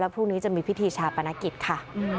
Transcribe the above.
พรุ่งนี้จะมีพิธีชาปนกิจค่ะ